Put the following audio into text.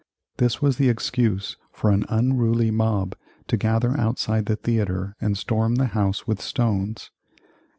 This was the excuse for an unruly mob to gather outside the theatre and storm the house with stones.